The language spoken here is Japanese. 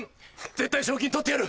絶対賞金取ってやる！